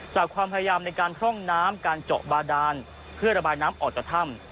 จากความพยายามในการพร่องน้ำการเจาะบาดานเพื่อระบายน้ำออกจากถ้ำ